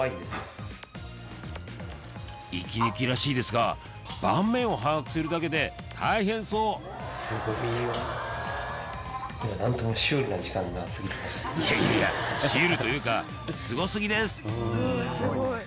息抜きらしいですが盤面を把握するだけで大変そういやいやシュールというかすご過ぎです！